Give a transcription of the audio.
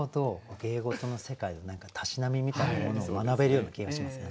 芸事の世界でたしなみみたいなものを学べるような気がしますね。